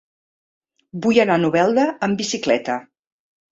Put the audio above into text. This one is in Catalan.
Vull anar a Novelda amb bicicleta.